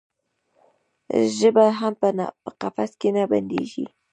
ژبه هم په قفس کې نه بندیږي.